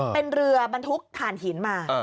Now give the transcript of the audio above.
เป็นเรือบรรทุกถ่านหินมา